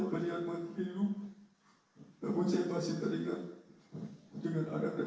namun saya masih terikat dengan anak dan istri saya